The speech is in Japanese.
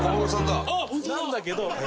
なんだけど。